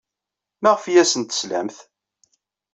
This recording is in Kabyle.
Maɣef ay asent-teslamt?